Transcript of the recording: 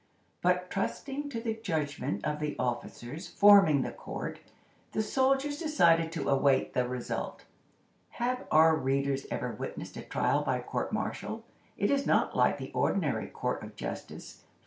But, trusting to the judgment of the officers forming the court, the soldiers decided to await the result. Have our readers ever witnessed a trial by court martial? It is not like the ordinary court of justice.